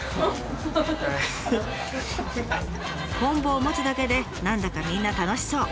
こん棒を持つだけで何だかみんな楽しそう！